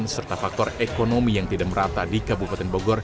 serta faktor ekonomi yang tidak merata di kabupaten bogor